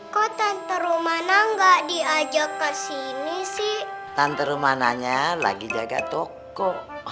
kok tante rumana nggak diajak ke sini sih tante rumananya lagi jaga toko